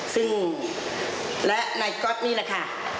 ซึ่งไนก๊อตร์นี่แหละค่ะ